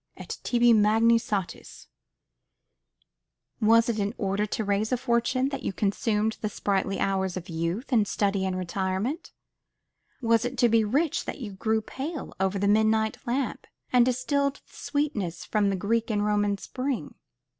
Et tibi magni satis! Was it in order to raise a fortune that you consumed the sprightly hours of youth in study and retirement? Was it to be rich that you grew pale over the midnight lamp, and distilled the sweetness from the Greek and Roman spring?